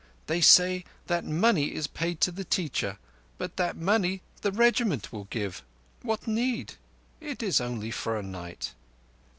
"They say that money is paid to the teacher—but that money the Regiment will give ... What need? It is only for a night."